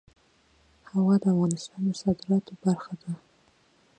هوا د افغانستان د صادراتو برخه ده.